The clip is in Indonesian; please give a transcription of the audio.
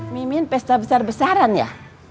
mimin pesta besar besaran ya